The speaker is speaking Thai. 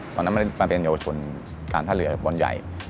ตอนนั้นมันเป็นเยาวชนการท่าเรือกับบอลใหญ่